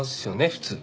普通。